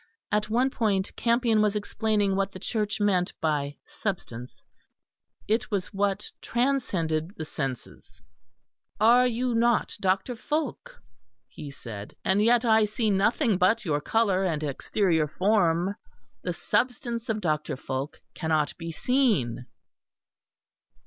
At one point Campion was explaining what the Church meant by substance. It was that which transcended the senses. "Are you not Dr. Fulke?" he said. "And yet I see nothing but your colour and exterior form. The substance of Dr. Fulke cannot be seen."